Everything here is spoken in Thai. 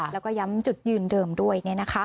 แล้วก็ย้ำจุดยืนเดิมด้วย